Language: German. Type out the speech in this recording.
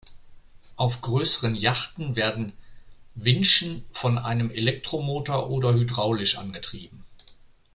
Auf größeren Yachten werden Winschen von einem Elektromotor oder hydraulisch angetrieben.